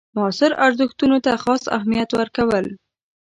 معاصرو ارزښتونو ته خاص اهمیت ورکول.